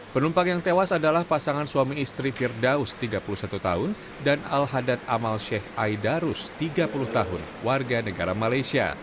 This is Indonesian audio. penumpang yang tewas adalah pasangan suami istri firdaus tiga puluh satu tahun dan al hadad amal sheikh aidarus tiga puluh tahun warga negara malaysia